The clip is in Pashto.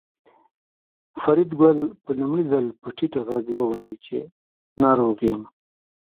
فریدګل په لومړي ځل په ټیټ غږ وویل چې ناروغ یم